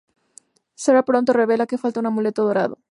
Sarah pronto revela que falta un amuleto dorado.